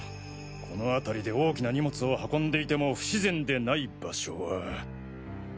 このあたりで大きな荷物を運んでいても不自然でない場所は。